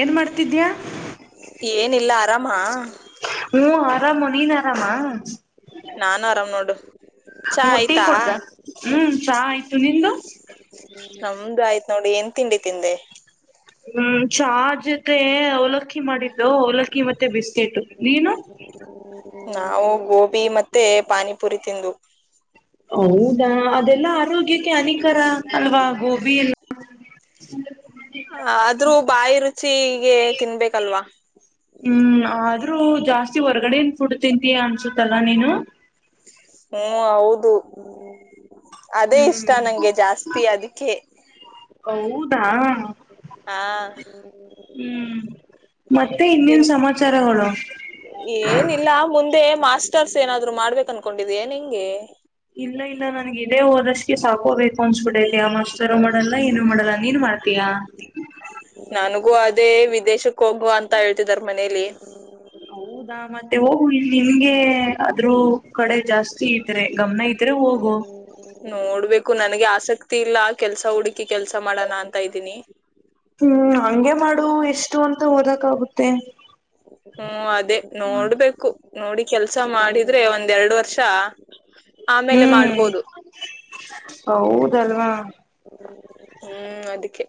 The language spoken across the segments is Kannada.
ಏನ್ ಮಾಡ್ತಿದ್ಯಾ ಏನಿಲ್ಲ ಆರಾಮ ಆರಾಮ ನೀನ್ ಆರಾಮಾ ನಾನು ಆರಾಮ್ ನೋಡು ಚಾ ಮಟ್ಟಿ ಆಯ್ತಾ ಕೊಡ್ತ ಹ್ಮ್ ಚಾ ಆಯ್ತು ನಿ್ದ ನಮ್ದು ಆಯ್ತ್ ನೋಡಿ ಎನ್ ತಿಂಡಿ ತಿಿಂದೆ ಹ್ಮ್ ಚಾರ್ ಜತೆ ಅವಲ ಮಾಡಿದ್ದು ಲಕ್ಕಿ ಮತ್ತೆ ಬಿಸ್ಕೆಟ ನೀನು ತ್ತೆ ಪಾನಿಪುರಿ ತಿಿಂದ ಹೌದಾ ಅದೆಲ್ಲಾ ಆರೋಗ್ಯಕ್ಕೆ ಹಾನಿಕರ ಅಲ್ವಾ ಗೋಬಿ ಎಲ್ಲ ಹ್ಮ ಹ ಆದ್ರೂ ಬಾಯಿ ರುಚಿಗೆ ತಿನ್ಬೇಕಲ್ವಾ ಹ್ಮ್ ಆದ್ರೂ ಜಾಸ್ತಿ ಹೊರ್ಗಡೆನ್ ಫುಡ್ ತಿಂತೀ ಅನ್ಸುತ್ತಲ್ಲಾ ನೀನು ಹ್ಮ್ ಹೌದು ಅದೇ ಇಷ್ಟ ಹ್ಮ್ ನಂಗೆ ಜಾಸ್ತಿ ಅದಕ್ಕೆ ಹ್ಮ್ಮ್. ಹಾ ಹ್ಮ್ ಮತ್ತೆ ಇನ್ನನ್ ಇನ್ ಸಮಾಚಾರಗಳು ಏನಿಲ್ಲ ಮುಂದೆ ಮಾಸ್ಟರ್ಸ್ ಏನಾದ್ರು ಮಾಡ್ಬೇಕು ಅನ್ಕೊಂಡಿದಯ ನಿಂಗೆ ಇಲ್ಲ ಇಲ್ಲ ನನ್ಗೆ ಇದೇ ಹೋದಷ್ಟಗೆ ಸಾಕೋಬೇಕು ನ್ಸ್ಬಿಡೈತಿಯ ಮಾಸ್ತರ್ ಮಾಡಲ್ಲ ಏನು ಮಾಡಲ್ಲ ನೀನು ಮಾಡ್ತಯ ಅೇ ವಿದೇಶಕ್ ಹೋಗುವ ಅಂತ ಹೇಳ್ತಿದಾರ ಮನೇಲಿ ಹೌದಾ ಮತ್ತೆ ಹೋಗ ನಿಮ್ಗೆ ಅದ್ರೂ ಕಡೆ ಜಾಸ್ತಿ ಇದತೆ ಗಮನ ಇ ನೋಡ್ಬೇಕು ು ನನ್ಗೆ ಆಸಕ್ತಿ ಇಲ್ಲ ಕೆಲ್ಸ ಹುಡುಕಿ ಕೆಲ್ಸ ಮಾಡೋಣ ಅಂತ ಇದ್ದೀನಿ ಹ್ಮ್ ಹಂಗೆ ಮಾಡು ಎಷ್ಟು ಅಂತ ಓದಕ್ ಆಾಗುತ್ತೆ ತ್ತ ಹ್ಮ ಅದೇ ನೋಡ್ಬೇಕು ನೋಡಿ ಕೆಲ್ಸ ಮಾಡಿದ್ರೆ ಒಂದ್ ಎರಡು ವರ್ಷ ಆಮೇಲೆ ಹ್ಮ್ ಮಾಡ್ಬೋದು ಹೌದಲ್ವಾ ಹ್ಮ್ ಅದಕ್ಕೆ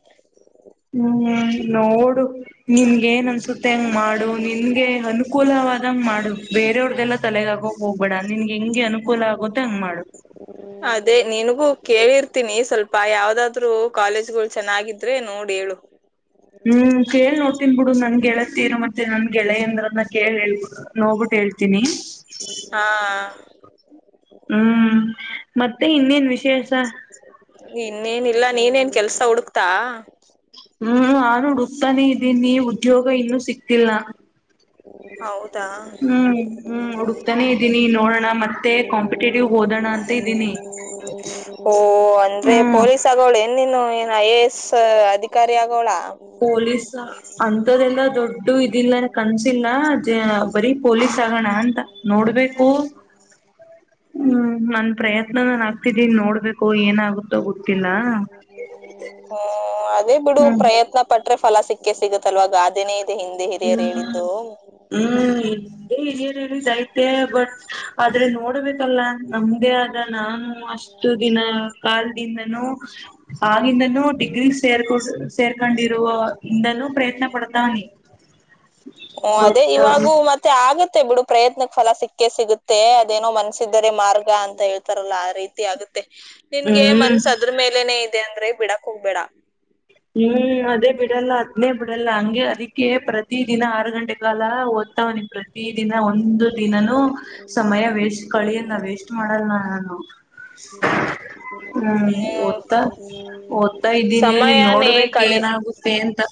ಹ್ಮ್ ನೋಡು ನಿನ್ ಏನ್ ಅನ್ಸುತ್ತೆ ಹಂಗ್ ಮಾಡು ನಿನ್ಗೆ ಅನುಕೂಲವಾದಂಗ್ ಮಾಡು ಬೇರೆಯವ್ರ್ದಲ್ಲ ತಲೆಗಾಗು ಹೋಗ್ಬೇಡ ನಿನ್ಗೆ ಹೆಂಗೆ ಅನುಕೂಲ ಆಗುತ್ತೆ ಹಂಗ್ ಮಾಡುದು ಅದೇ ನಿನಗೂ ಕೇಳಿರ್ತೀನಿ ಸ್ವಲ್ಪ ಯಾವ್ದಾದ್ರು ಕಾಲೇಜ್ಗಳು ಚೆನ್ನಾಗಿದ್ರೆ ನೋಡಿ ಹೇಳು ಹ್ಮ್ ಕೇಳ್ ನೋಡ್ತನ್ ಬಿಡು ನನ್ ಗೆಳತೀರ್ ಮತ್ತೆ ನನ್ ಗೆಳೆ ಅಂದ್ರನ್ನ ಕೇಳ ಹೇಳ್ಬ ನೋ್ಬಿಟ್ಟ ಹೇಳ್ಿ ಹಾ ಹ್ಮ್ ಮತ್ತೆ ಇನ್ನೇನ್ ವಿಶೇಷ ಇನ್ನೇನ ಇಿಲ್ಲಾ ನೀನೇನ್ ಕೆಲ್ಸ ಹುಡುಕ್ತಾ ಹ್ಮ್ ನಾನು ುಡುಕ್ತಾನೆ ಇದ್ದೀನಿ ಉದ್ಯೋಗ ಇನ್ನುೂ ಸಿಕ್ತಿಲ್ಲ ಹೌದು ಹ್ಮ್ ಹ್ಮ್ ಹುಡುಕ್ತಾನೆ ಇದ್ದೀನಿ ನೋಡೋಣ ಮತ್ತೆ ಕಾಂಪಿಟೇಟಿವ್ ಹಓದೋಣ ಅಂತ ಇದ್ದೀನಿ ಹ್ಮ್ ನ್ನನು ಏನು ಐ ಎ ಎಸ್ ಅಧಿಕಾರಿ ಆಗೋಳ ಪೊಲೀಸ್ ಅಂಂತದೆಲ್ಲ ದೊಡ್ಡ ಇದಿಲ್ಲನ ಕನ್ಸಿಲ್ಲ ಬರಿೀ ಪ ಚಗಣ ಅಂತ ನೋಡ್ಬೇಕು ಹ್ಮ್ ನನ್ ಪ್ರಯತ್ನ ನಾನನ್ ಆಗ್ತಿದ್ದೀನ್ ನೋಡ್ಬೇಕು ಏನಾಗುತ್ತ ಗಟ್ಟಿಲ್ಲ ಬಿಡುವ ಪ್ರಯತ್ನ ಪಟ್ಟ ೆ ಫಲ ಸಿಕ್ಕಕ್ಕೆ ಸಿಗುತ್ತ ಅಲ್ವ ಗಾದೆನೆ ಹ್ಮ್ ಹ್ಮ್ ಇದೇ ಹಿರಿಯರಿೈತೆ ಬಟ್ ಆದ್ರೆ ನೋಡ್ಬೇಕಲ್ಲ ನಮ್ದೇ ಆದ ನಾನು ಅಷ್ಟು ದಿನ ಕಾಲದಿಂದನೂ ಆಗಿಂದನೂ ಡಿಗ್ರಿ ಸೇರ್ಕ ಸೇರ್ಕೊಂಡಿರುವ ಇಂದಲೂ ಪ್ರಯತ್ನ ಪಡ್ತಾನೆ ಹಓ ಬಟ್ ಅದೇ ಇವಾಗೂ ಮತ್ತೆ ಆಗ ಬಿಡು ಪ್ರಯತ್ನಕ್ ಫಲ ಸಿಕ್ಕೇ ಸಿಗುತ್ತೆ ಮ ಅದೇನೋ ಮನ್ಸ ರೆ ಮಾರ್ಗ ಅಂತ ಹೇಳ್ತಾರಲ್ಲ ಆ ರೀತಿ ಆಗುತ್ತೆ ನಿನ್ಗೆ ಹ್ಮ್ ಮನ್ಸದ ಮೇಲೆನೆೇ ಇದೆ ಅಂದ್ರೆ ಬಿಡಕ್ ಹೋಗ್ಬೇಡ ಹ್ಮ್ ಅದೇ ಬಿಡಲ್ಲ ಅದ್ನೇ ಬಿಡಲ್ಲ ಹಂಗೆ ಅದಕ್ಕೆ ಪ್ರತಿ ದಿನ ಆರು ಗಂಟೆ ಕಾಲ ಓದ್ತವ ನಿಮ ಪ್ರತ ದಿನ ಒಂದು ದಿನನುೂ ಸಮಯ ವೇಸ್ ಕಳ ವೇಸ್ಟ್ ಮಾಡಲ್ಲ ನಾನು ಹ್ಮ ಹ್ಮ್ ಓದ್ತ ಓದ್ತಾ ಇದ್ದೀನಿ ನೋ ಸಮಯನೇ ನಡ್ಬೇಕು ಕಳಿ ಏನಾಗುತ್ತೆ ಹ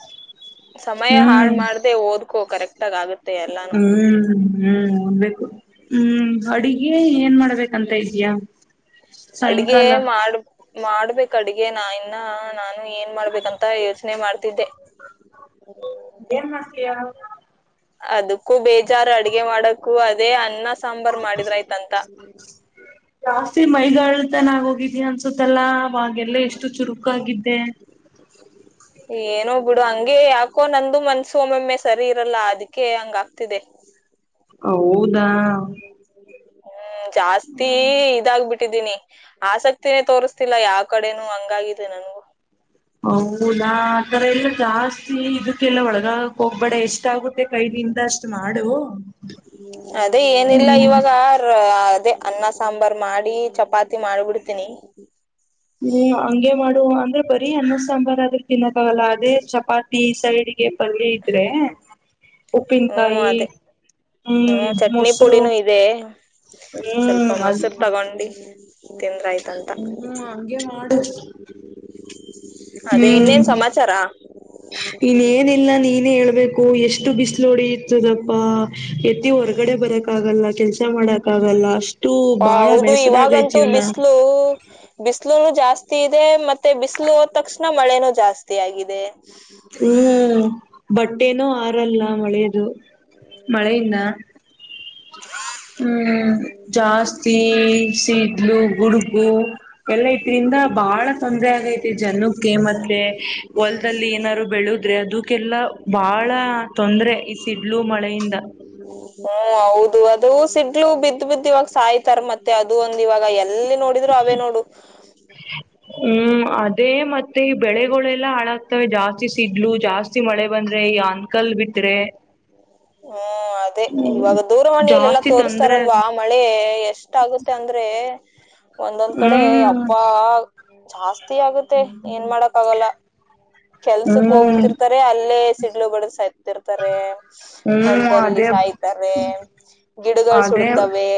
ಸಮಯ ಹಾಳ ಮಾಡ್ದ ಓದ್ಕೋ ಕರೆಕ್ಟಗ ಆಗುತ್ತೆ ಎಲ್ಲಾನು ಹ್ಮ್ ಹ್ಮ್ ಬು ಹ್ಮ್ ಅಡಿಗೆ ಏನ್ ಮಾಡ್ಬೇಕಂತ ಇದ್ಯಾ ಅಡ್ಗೆ ಸಾಯಂಕಾಲ. ಮಾಡ ಮಾಡ್ಬೇಕ ಅಡ್ಗೆ ನಾ ಇನ್ನ ನಾನು ಏನ್ ಮಾಡ್ಬೇಕಂತ ಯೋಚನೆ ಮಾಡ್ತಿದ್ದೆ ೇರ್ ಮಾಸೆಯಾ ಅದು ಬೇಜಾರಾರ್ು ಅಡಗೆ ಮಾಡಕ್ಕು ಅ ಅ್ಣ ಸಾಂಬಾರ್ ಮಾಡಿದ್ರ ಆಯ್ತಂತ ತನ್ನಾಗ ಹೋಗಿದ್ದಿ ಅನ್ಸುತ್ತಲ್ಲ ಅವಾಗೆಲ್ಲ ಎಷ್ಟು ಚುರುಕ ಆಾಗಿದ್ದೆ ಏನೋ ಬಿಡು ಹಂಗಗೆ ಯಾಕೋ ನಂದು ಮನ್ಸು ಒಮ್ಮೊಮ್ಮೆ ಸರಿ ಇರಲ್ಲ ಅದಕ್ಕೆ ಹಂಗ ಆಗ್ತಿದೆ ಹೌದಾ ಹ್ಮ್ ಜಾಸ್ತಿ ಇದಾಗಬಿಟ್ಟ ಕೊಟ್ಟಿದ್ದೀನಿ ಆಸಕ್ತಿನೇ ತೋರಿಸ್ತಿಲ್ಲ ಯಾವ ಕಡೆನೂ ಹಂಗಾಗಿದೆ ನನ್ಗೂ ಹೌದಾ ಆಥರ ಎಲ್ಲ ಜಾಸ್ತಿ ಇದಕ್ಕೆಲ್ಲ ಒಳಗ ಹೋಗ್ಬೇಡ ಎಷ್ಟು ಎಷ್ಟಾಗುತ್ತೆ ಕೈದಿಂದ ಅಷ್ಟು ಮಾಡು ಅದೇ ಏನಿಲ್ಲ ಹ್ಮ್ ಇವಾಗ ಅದೇ ಅನ್ನ ಸಾಂಬಾರ್ ಮಾಡಿ ಚಪಾತಿ ಮಾಡ್ಬಿಡ್ತೀನಿ ಹ್ಮ್ ಹಂಗಗೆ ಮಾಡು ಅಂದ್ರೆ ಬರೀ ಅ್ಣ ಸಾಂಬಾರ್ ಆದ್ರೂ ತಿನ್ನಕ್ಕಾಗಲ್ಲ ಅದೇ ಚಪಾತಿ ಸೈಡ್ ಹಗೆ ಪಲ್ ಇದ್ರೆ ಹ್ಮ ಉಪ್ಪಿನಕಾಯಿ ಅದೇ ಹ್ಮ್ ಹ್ಮ ಚಟ್ನಿ ಮೊಸರು ಪುಡಿನೂ ಇದೆ ಹ್ಮ್ ಸ್ವಲ್ಪ ಅದು ಮೊಸರು ತಗೊಂಡು ತಂದ್ರ ಆಯ್ತಂತ ಹ್ಮ್ ಹಂಗೆ ಮಾಡು ಹ್ಮ್ ಇನ್ೇನಿಲ್ಲ ನೀನೇ ಹೇಳ್ಬೇಕು ಎಷ್ಟ ಎಷ್ಟು ಬಿಸಿಲೋಡಿ ಇರ್ತದಪ್ಪ ಎತ್ತಿ ಹೊರ್ಗಡೆ ಬರಕ ಆಗಲ್ಲ ಕೆಲ್ಸ ಮಾಡಕ್ ಆಗಲ್ಲ ಅಷ್ಟು ಹ ಬಾಳ ಹೌದು ಬೇಸರಾಗೈತ್ ಜೀವ್ನ ಬಿಸಲುನು ಜಾಸ್ತಿ ಇದೆ ಮತ್ತೆ ಬಿಸಲು ಹೋದ ತಕ್ಷಣ ಮಳೆನ ಜಾಸ್ತಿ ಆಗಿದೆ ಹ್ಮ್ ಬಟ್ ೇನೋ ಆರಲ್ಲ ಮಳೆಯದು ಮಳೆಯಿಂದ ಹ್ಮ್ ಜಾಸ್ತಿ ಶೀತ್ಲು ಗುಡ್ಗು ಎಲ್ಲ ಇದ್ರಿಂದ ಬಹಳ ತೊಂದರೆ ಆಗೈತಿ ಜನಕ್ಕೆ ಮತ್ತೆ ಹೊಲ್ದಲ್ಲಿ ಏನಾದ ಬೆಳುದ್ರೆ ಅದಕ್ಕೆಲ್ಲಾ ಬಾಳ ತೊಂದ್ರರೆ ಈ ಸಿಡ್ಲು ಮಳೆಯಿಂದ ಹ್ಮ್ ಹೌದು ಅದು ಸಿಡ್ಲು ಬಿದ್ದ್ ಬಿದ್ದ ಇವಾಗ ಸಾಯ್ತಾರ ಮತ್ತೆ ಅದು ಒಂದ ಇವಾಗ ಎಲ್ಲಿ ನೋಡಿದ್ರು ಅವೇ ನೋಡು ಹ್ಮ್ ಅದೇ ಮತ್ತೆ ಈ ಬೆಳೆಗಳೆಲ್ಲಾ ಹಾಳಾಗ್ತವೆ ಜಾಸ್ತಿ ಸಿಡ್ಲು ಜಾಸ್ತಿ ಮಳೆ ಬಂದ್ರೆ ಈ ಅಂಕಲ್ ಬಿಟ್ರೆ ಹ್ಮ ಅದೇ ಹ್ಮ್ ಇವಾಗ ದೂರವಾಣಿಯಲೆಲ್ಲಾ ಜಾಸ್ತಿ ತೊಂದ್ರೆ ತೋರ್ಸ್ತಾರಲ್ವಾ ಮಳೆ ಎಷ್ಟಾಗುತ್ತೆ ಅಂದ್ರೆ ಒಂದೊಂದ್ ಕಡೆ ಹ್ಮ್ ಅಪ್ಪ ಾಸ ಆಗುತ್ತೆ ಏನ್ ಮಾಡಕ್ ಆಗಲ್ಲ ಕೆಲ್ಸಕ್ ಹ್ಮ್ ಹೋಗ್ತಿರ್ತಾರೆ ಅಲ್ಲೇ ಸಿಡ್ಲುಗಳು ಸತಿರ್ತಾರೆ ಹ್ಮ್ ಹೊಲದಲ್ಲಿ ಅದೇ ಸಾಯ್ತಾರೆ ಗಿಡಗಳು ಅದೇ ಸುಡ್ತವೆ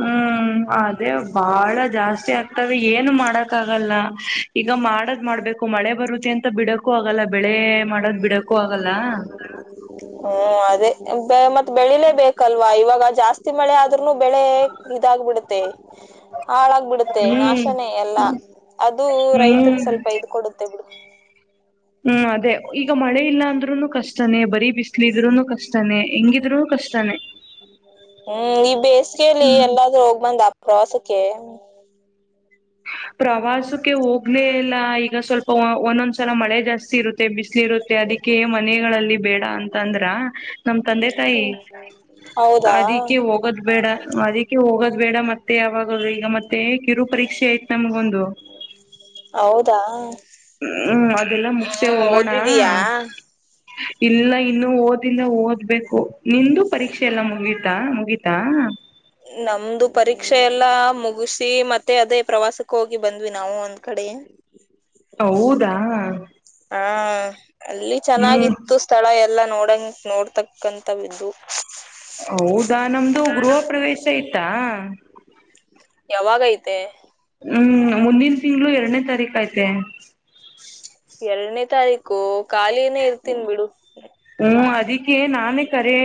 ಹ್ಮ್ ಅದೇ ಬಾಳ ಜಾಸ್ತಿ ಆಗ್ತದೆ ಏನು ಮಾಡಕ್ ಆಗಲ್ಲ ಈಗ ಮಾಡದ್ ಮಾಡ್ಬೇಕು ಮಳೆ ಬರುತ್ತ ಅಂತ ಬಿಡೊ ಹ್ಮ್ ಅದೇ ಮತ್ತೆ ಬೆಳಿಲೇ ಬೇಕಲ್ವಾ ಇವಾಗ ಈಗ ಜಾಸ್ತಿ ಮಳೆ ಆದ್ರುನು ಬೆಳೆ ಇದಾಗ್ಬಿಡುತ್ತೆ ಹಾಳಾಗ್ ಬಿಡುತ್ತೆ ಹ್ಮ್ ನಾಶನೇ ಎಲ್ಲಾ ಅದು ಹ್ಮ್ ರೈತಗ್ ಸ್ವಲ್ಪ ಇದ್ ಕೊಡುತ್ತೆ ಬಿಡ ಹ್ಮ್ ಅದೇ ಈಗ ಮಳೆ ಇಲ್ಲ ಅಂದ್ರುನು ಕಷ್ಟನೇ ಬರೀ ಬಿಸ್ಲ ಇದ್ರುನು ಕಷ್ಟನೇ ಹೆಂಗಿದ್ರು ಕಷ್ಟನೇ ಹ್ಮ್ ಈ ಬೇಸಿಗೆಯಲ್ಲಿ ಹ್ಮ್ ಎಲ್ಲಾದ್ ಹೋಗ್ ಬಂದ ಅ ಕ್ರಸ್ಕ್ಕೆ ಪ್ರವಾಸಕ್ಕೆ ಹೋಗ್ಲೇ ಇಲ್ಲ ಈಗ ಸ್ವಲ್ಪ ಒಂದೊಂದ್ ಸಲ ಮಳೆ ಜಾಸ್ತಿ ಇರುತ್ತೆ ಬಿಸಿಲಿ ಇರುತ್ತೆ ಅದಕ್ಕೆ ಮನೆಗಳಲ್ಲಿ ಬೇಡ ಅಂತ ಅಂದ್ರ ನಮ ತಂದೆ ತಾಯಿ ಹೌದಾ ಅದಿಕ್ಕೆ ಹೋಗದ್ ಬೇಡ ಅದಕ್ಕೆ ಹೋಗೋದ್ ಬೇಡ ಮತ್ತೆ ಯಾವಾಗ ಈಗ ಮತ್ತೆ ಕಿರು ಪರೀಕ್ಷೆ ನಮ್ಗೊಂದು ಹೌ ಹೌದಾ ಹ್ಮ್ ಅದ್ ಅದೆಲ್ಲ ಮುಗಸೆ ಹ್ಮ ಹೋಗೋಣ ಓದಿದೀಯಾ ಇಲ್ಲ ಇನ್ನು ಓದ್ ಓದ್ಬೇಕು ನಿಂದು ಪರೀಕ್ಷೆ ಎಲ್ಲ ಮುಗೀತಾ ಮುಗಿ ತಾ ನಮ್ದು ಪರೀಕ್ಷೆ ಎಲ್ಲ ಮುಗಿಸಿ ಮತ್ತೆ ಅದೇ ಪ್ರವಾಸಕ್ಕೆ ಹೋಗಿ ಬಂದ್ವಿ ನಾವು ಒಂದ್ ಕಡೆ ಹೌದಾ ಹಾ ಅಲ್ಲಿ ಹ್ಮ್ ಚೆನ್ನಾಗಿತ್ತು ಸ್ಥಳ ಎಲ್ಲಾ ನೋಡಿ ನೋಡ್ತಕ್ಕಂತವಿದ್ದು ಹೌದಾ ನಮ್ದು ಗೃಹ ಪ್ರವೇಶ ಆಯ್ತಾ ಯವಾವಾಗೈಐತೆ ಹ್ಮ್ ಮುಂದಿನ ತಿಂಗಳು ಎರಡನೇ ತಾರೀಕ ಐತೆ ಎರಡನೇ ತಾರೀಕು ಖಾಲಿನೇ ಇರ್ತೀನ್ ಬಿಡು ನಾನ ಕರೆ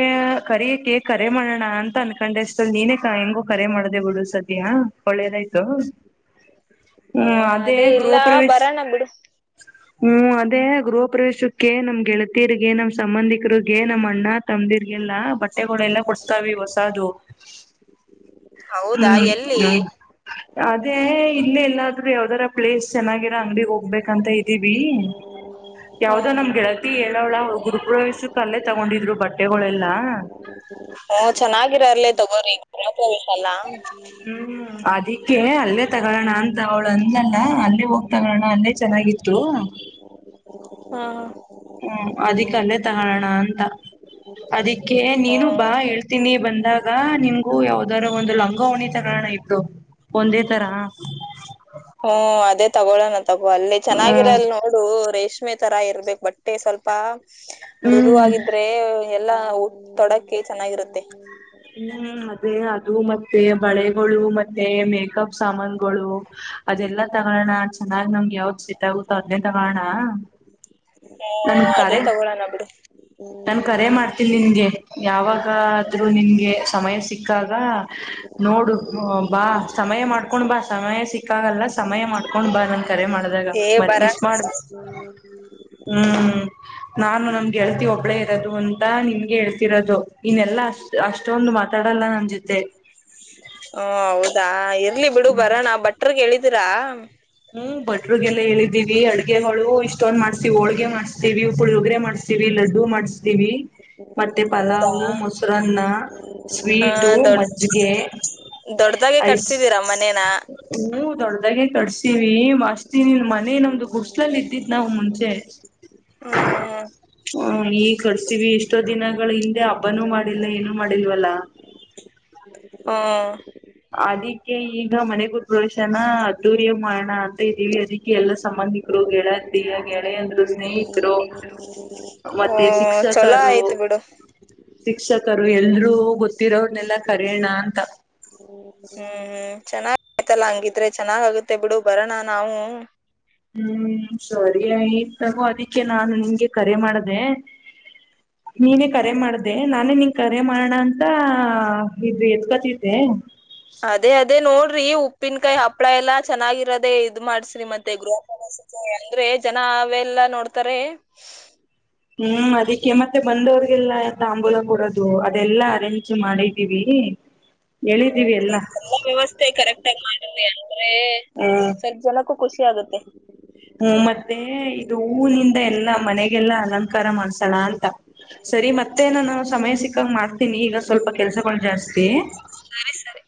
ಕರಿಯಕ್ಕೆೆ ಕರೆ ಮಾಡೋಣ ಅಂತ ಅನ್ಕೊಂಡೆ ಅಷ್ಟಲ್ ನೀನ ಕ ಹೆಂಗೋ ಕರೆ ಮಾಡದೆ ಗುಡು ಸದ್ಯ ಒಳ್ಳೇದಾಯ್ತು ಹಓ ಹ್ಮ್ ಅದೇ ಇಲ್ಲ ಗೃಹ ಪ್ರವೇಶ್ ಬರೋಣ ಬಿಡು ಹ್ಮ್ ಅದೇ ಗೃಹ ಪ್ರವೇಶ ಏ ನಮ್ ಗೆಳತತಿರ್ ನಮ ಸಂಬಂಧಿಕರು ಗೆ ನಮ್ ಅಣ್ಣ ತಮ್ದಿರ್ ಎಲ್ಲ ಬಟ್ಟೆಗಳೆಲ್ಲ ಕೊಡ್ಸ್ತೀ ಹೊಸದು ಹೌದಾ ಹ್ಮ್ ಎಲ್ಲಿ ಹ್ಮ್ ಅದೇ ಇಲ್ಲ ಎಲ್ಲಾದ್ರೂ ಯಾವ್ದಾರ ಪ್ಲೇಸ್ ಚೆನ್ನರ ಅಂಗ ಹೋಗ್ಬೇಕಂತ ಇದೀವಿ ಯವ್ದೋ ಹ್ಮ್ ನ ಗೆಳತಿ ಹೇಳೋಳ ಗುರುಪ್ರವೇಶಕ್ ಅಲ್ಲೇ ತಗೊಂಡಿದ್ರು ಬಟ್ ಬಟ್ಟೆಗಳೆಲ್ಲಾ ಹಓ ಚೆನ್ನಾಗಿರರ್ಲಿ ತಗೋ್ರಿಾಪವೇಶ ಅಲ್ಲ ಹ್ಮ್ ಅದಿಕ್ಕೆ ಅಲ್ಲೇ ತಗೋಳೋಣ ಅಂತ ಅವಳು ಅಂದಲ್ಲ ಅಲ್ಲೇ ಹೋಗ್ ತಗೋಳೋಣ ಅಲ್ಲೇ ಚೆನ್ನಾಗಿತ್ತು ಹಾ ಹ್ಮ್ ಅದಿಕ್ಕಲ್ಲೇ ತಗೋಣ ಅಂತ ಅದಿ ಅಕೆ ನೀನು ಬಾ ಹೇಳ್ತೀನಿ ಬಂದಾಗ ನಿಮಗೂ ಯಾವ್ದಾರ ಒಂದು ಲಂಗಾವಣಿ ತಗೋಣ ಇದ್ರು ಒಂದೇ ತರ ಹ್ಮ ಅದೇ ತಗೋಳೋಣ ತಗು ಅಲ್ಲಿ ಚೆನ್ನಾಗಿರಲ್ ಹ್ಮ್ ನೋಡು ರೇೇಶ ಚಷ್ಮೆ ತರಾ ಇರ್ಬೇಕು ಬಟ್ಟೆ ಸ್ವಲ್ಪ ಮೃದುವ ಆಾಗಿದ್ರೆ ಎಲ್ಲಾ ತೊಡಕ ಚೆನ್ನಾಗಿರುತ್ತೆ ಹ ಅದೇ ಅದು ಮತ್ತೆ ಬಳೆಗಳು ಮತ್ತೆ ಮೇಕಪ್ ಸಾಮಾನುಗಳು ಅದೆಲ್ಲಾ ತಗೋಣ ಚೆನ್ನಾಗ್ ನಮ್ಗೆ ಯಾವ್ದ್ ಸೆಟ್ ಆಗುತ್ತೋ ಅದನ್ನೇ ತಗೋಣ ನನ್ ಹ್ಮ್ ಅದೇ ಕರೆ ತಗೊಳೋಣ ಬಿಡು ನನ್ ಕರೆ ಮಾಡ್ತೀನಿ ನಿನ್ಗೆ ಯಾವಾಗಾದ್ರೂ ನಿನ್ಗೆ ಸಮಯ ಸಿಕ್ಕಾಗ ನೋಡು ಬಾ ಸಮಯ ಮಾಡ್ಕೊಂಡ್ ಬಾ ಸಮಯ ಸಿಕ್ಕಾಗಲ್ಲ ಸಮಯ ಮಾಡ್ಕೊಂಡ್ ಬಾ ನನ್ ಕರೆ ಮಾಡ್ದಾಗ ಏ ಮರಿ ಬರಣ ಮಿಸ್ ಮಾಡ್ದ ಹ್ಮ ಹ್ಮ್ ನಾನು ನಮ್ಗೆ ಹೇಳ್ತಿ ಒಬ್ಬಳೇ ಇರೋದು ಒಂದು ನಿನ್ಗೆ ಹೇಳ್ತಿರೋದು ಇನೆಲ್ಲಾ ಅಷ್ಟ ಅಷ್ಟೊಂದು ಮಾತಾಡಲ್ಲ ನನ್ ಜೊತೆ ಹ ಹೌ ಇರ್ಲಿ ಬಿಡು ಬರೋಣ ಬಟ್ಟರ್ಗೆಿದ ರಾ ಹ್ಮ್ ಬಟ್ರಗೆಲ್ಲ ಹೇಳಿದ್ದೀವಿ ಅಡ್ಗೆ ಹಗೆ ಹಳು ಇಷ್ಟೊಂದ ಮಾಡ್ತಿವಿ ಹೋಳ್ಗೆ ಮಾಡ್ಸ್ತಿ ವಿ ಉ ಪುಳುೋಗ್ರೆ ಮಾಡ್ತೀವಿ ಲಡ್ಡು ಮಾಡ್ ಮತ್ತೆ ಹೌದಾ. ಪಲಾವು್ ಮೊಸರನ್ನ ಹ ಸ್ವೀಟ ದೊಡ್ ಮಜ್ಜಿಗೆ ದೊಡ್ಡದಾಗೆ ಐಸ್ ಕಟ್ಸಿದೀರಾ ಮನೇನ ಹ ದೊಡ್ಡದಾಗಿ ಕರ್ ಮಸ್ತ್ ಮನ ನೊ ಒಂದು ಗುಸ್ಲಲ್ಲಿ ಇದ್ದತ್ ನಾವು ಮುಂಚೆ ಹ್ಮ್ ಈ ಕರ್ತೀವಿ ಎಷ್ಟೋ ದಿನಗಳ ಹಿಂದೆ ಹಬ್ಬನೂ ಮಾಡಿಲ್ಲ ಏನುೂ ಮಾಡಿಲ್ವಲ್ಲ ಹಾ ಅದಿಕ್ಕೆ ಈಗ ಮನೆಗ ಪ್ರಶನ ಅದ್ದೂರ್ಯ ಮಾಡಣ ಅಂತ ಇದ್ದೀವಿ ಅದಿಕ್ಕೆ ಎಲ್ಲ ಸಂಬಂಧಿಕರು ಗೆಳಿಯ ಗೆಳೆಯ ಅಂದ್ರು ಸ್ನೇಹಿತರು ಓ ಮತ್ತೆ ಚೊಲೋ ಶಿಕ್ಷಕರು ಆಯ್ತು ಬಿಡು ಶಿಕ್ಷಕರು ಎಲ್ರುೂ ಗೊತ್ತಿರೋ್ರನ್ನೆಲ್ಲ ಕರಣ ಅಂತ ಹ ಹ್ಮ್ ಚೆನ್ನಾಗ್ ಆಯ್ತಲ್ಲ ಹಂಗಿದ್ರೆ ಚೆನ್ನಾಗ ಆಗುತ್ತೆ ಬಿಡು ಬರೋಣ ನಾವು ಹ್ಮ್ ಸರಿ ಆಯ್ತಗೋ ಅದಿಕ್ಕೆ ನಾನು ನಿಂಗೆ ಕರೆ ಮಾಡ್ದ ನೀನೇ ಕರೆ ಮಾಡ್ದೆ ನಾನೇ ನಿನ್ ಕರೆ ಮಾಡೋಣ ಅಂತ ಇದು ಎತ್್ಕತಿದ್ದೆ ಅದೇ ಅದೇ ನೋಡ್ರಿ ೀ ಉಪ್ಪಿನಕಾಯಿ ಹಪ್ಳ ಎಲ್ಲಾ ಚೆನ್ನಾಗಿರೋದೆೇ ಇದ್ ಮಾಡ್ಸ್ರಿ ಮತ್ತೆ ಗೃಹ ಅಂದ್ರೆ ಜನ ಅವೆಲ್ಲಾ ನೋಡ್ತಾರೆ ಹ್ಮ್ ಅದಕ್ಕೆ ಮತ್ತೆ ಬಂದವ್ರಗೆಲ್ಲ ತಾಂಬೂಲ ಕೊೂಡೋದು ಅದೆಲ್ಲಾ ಅರೇಂಜ್ ಮಾಡಿದ್ದೀವಿ ಹೇಳಿದ್ದೀವಿ ಎಲ್ಲ ಮಾಡ ಸರಿ ಜನಕ್ಕೂ ಖುಷಿ ಆಗುತ್ತೆ ಹ್ಮ ಮತ್ತೆ ಇದು ಹೂನಿಂದ ಎಲ್ಲಾ ಮನೆಗೆಲ್ಲಾ ಅಲಂಕಾರ ಮಾಡ್ತ ಸ್ಲನ್ ಸರಿ ಮತ್ತೆ ನಾನು ಸಮಯ ಸಿಕ್ಕಾಗ ಮಾಡ್ತೀನಿ ಈಗ ಸ್ವಲ್ಪ ಕೆಲ್ಸಗಳು ಜಾಸ್ತಿ ಸರಿ ಸರಿ.